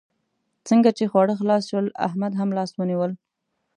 څنګه چې خواړه خلاص شول؛ احمد هم لاس ونيول.